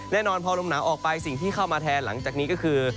แน่นอนพอลมหนาวออกไปสิ่งที่เข้ามาแทนหลังจากนี้ก็คือ